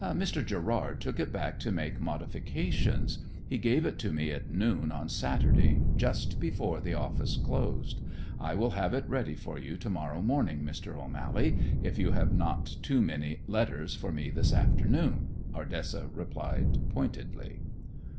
"Mr. Gerrard took it back to make modifications. He gave it to me at noon on Saturday, just before the office closed. I will have it ready for you to morrow morning, Mr. O'Mally, if you have not too many letters for me this afternoon," Ardessa replied pointedly.